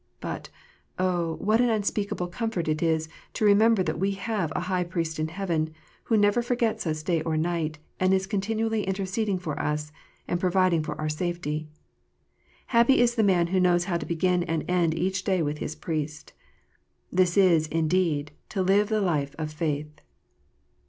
But, oh, what an unspeakable comfort it is to remember that we have an High Priest in heaven, who never forgets us night or day, and is continually interceding for us, and providing for our safety. Happy is that man who knows how to begin and end each day with his Priest ! This is, indeed, to live the life of faith.